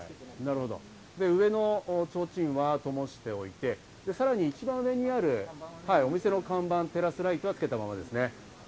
上の提灯は灯しておいて、さらに一番上にあるお店の看板を照らすライトはつけたままですね。